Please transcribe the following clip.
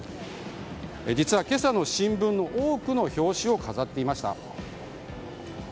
実は今朝の新聞の多くの表紙を飾っていました。